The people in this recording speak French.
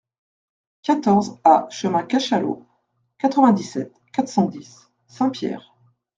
quatorze A chemin Cachalot, quatre-vingt-dix-sept, quatre cent dix, Saint-Pierre